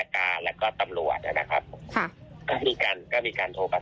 สรุปแล้วทนายเบียร์เนี่ย